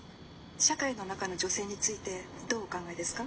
「社会の中の女性についてどうお考えですか？」。